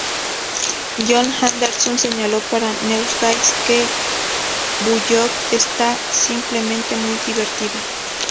John Anderson señaló para "Newsday" que "Bullock está simplemente muy divertida".